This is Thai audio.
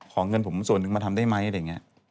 ขอเงินส่วนนึงมาทำได้ไหม